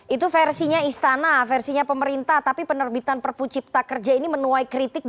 itu versinya istana versinya pemerintah tapi penerbitan perpucipta kerja ini menuai kritiknya